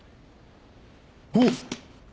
おっ！